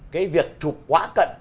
cái việc chụp quá cận